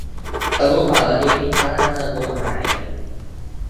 อนุสาวรีย์พิทักษ์รัฐธรรมนูญหาย